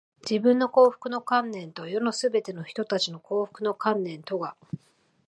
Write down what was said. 自分の幸福の観念と、世のすべての人たちの幸福の観念とが、